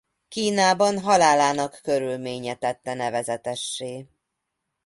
Kínában halálának körülménye tette nevezetessé.